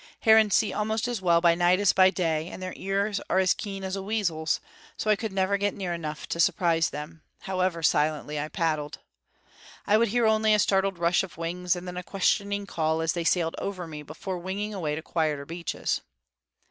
Herons see almost as well by night as by day, and their ears are keen as a weasel's; so I could never get near enough to surprise them, however silently I paddled. I would hear only a startled rush of wings, and then a questioning call as they sailed over me before winging away to quieter beaches.